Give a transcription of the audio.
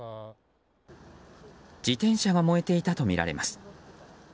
自転車が燃えていたとみられます。